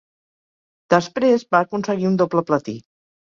Després va aconseguir un doble platí.